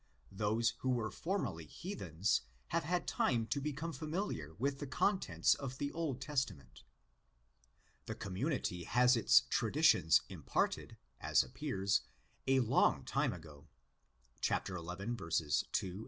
Those who were formerly heathens have had time to become familiar with the contents of the Old Testament. The community has its traditions (τὰς παραδόσεις), imparted, as appears, ἃ long time ago (xi. 2, 28, xv.